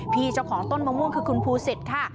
พี่เจ้าของต้นมะม่วงคือคุณภูสิตค่ะ